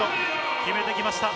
決めてきました。